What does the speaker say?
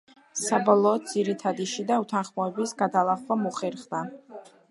საბოლოოდ, ძირითადი შიდა უთანხმოებების გადალახვა მოხერხდა.